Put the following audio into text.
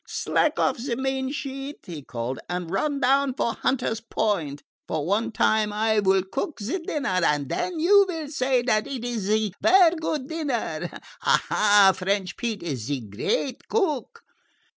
"Slack off ze main sheet," he called out, "and run down for Hunter's Point. For one time I will cook ze dinner, and den you will say dat it is ze vaire good dinner. Ah! French Pete is ze great cook!"